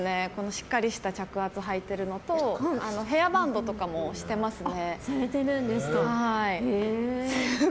しっかりした着圧はいてるのとヘアバンドとかもしてますね。